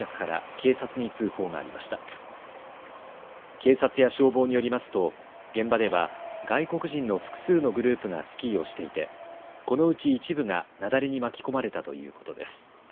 警察や消防によりますと現場では外国人の複数のグループがスキーをしていてこのうち一部が雪崩に巻き込まれたということです。